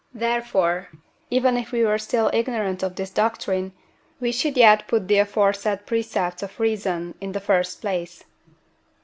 Therefore, even if we were still ignorant of this doctrine, we should yet put the aforesaid precepts of reason in the first place.